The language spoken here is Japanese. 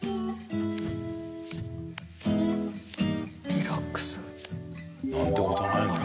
リラックス。なんて事ないのか。